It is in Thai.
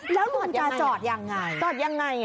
แล้วลุงจะจอดยังไงจอดยังไงอ่ะ